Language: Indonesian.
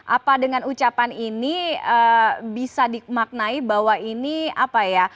apa dengan ucapan ini bisa dimaknai bahwa ini apa ya